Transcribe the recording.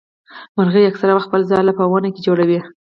مرغۍ اکثره وخت خپل ځاله په ونه کي جوړوي.